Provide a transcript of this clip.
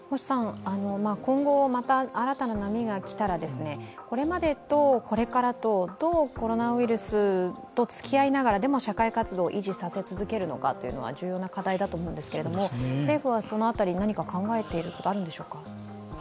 今後、また新たな波が来たら、これまでとこれからと、どうコロナウイルスとつきあいながらでも、社会活動を維持させ続けるのかは重要な課題かと思うんですが政府はその辺り、何か考えていることはあるのでしょうか？